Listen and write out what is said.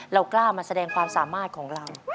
เรากล้ามาแสดงความสามารถของเรา